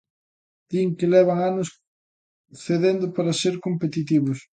Din que levan anos cedendo para ser competitivos.